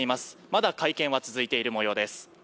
まだ会見は続いている模様です。